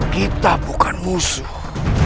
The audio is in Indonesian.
kita bukan musuh